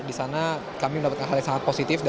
di sana kami mendapatkan hal yang sangat positif